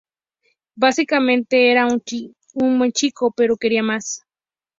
Básicamente era un buen chico, pero quería más.